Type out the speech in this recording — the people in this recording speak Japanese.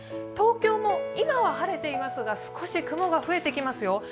東京も今は晴れていますが少し雲が増えてきますよ。